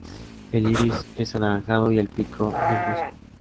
El iris es anaranjado y el pico negruzco.